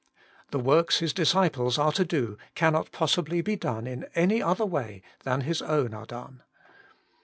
The works Flis disciples are to do cannot possibly be done in any other way than His own are done.